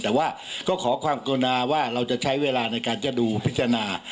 แต่ว่าก็ขอความกรุณาว่าเราจะใช้เวลาในการจะดูพิจารณา